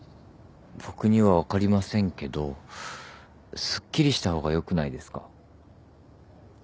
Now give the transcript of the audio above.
僕には分かりませんけどすっきりした方がよくないですか。